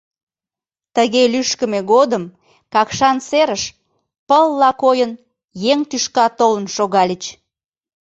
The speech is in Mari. Тыге лӱшкымӧ годым Какшан серыш, пылла койын, еҥ тӱшка толын шогальыч.